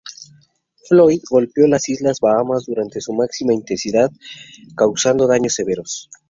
Floyd golpeó las Islas Bahamas durante su máxima intensidad, causando daños severos.